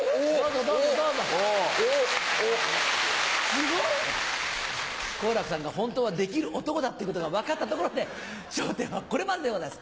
すごい！好楽さんが本当はできる男だってことが分かったところで『笑点』はこれまででございます